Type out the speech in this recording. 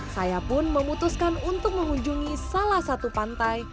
saya pun memutuskan untuk mengunjungi salah satu pantai